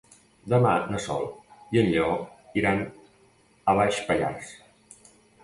Dissabte na Sol i en Lleó iran a Baix Pallars.